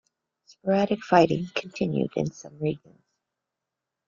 Sporadic fighting continued in some regions.